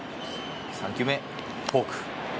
３球目、フォーク。